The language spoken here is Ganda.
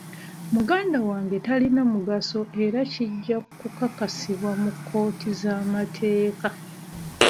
Muganda wange talina musango era kijja kukakasibwa mu kkooti z'amateeka.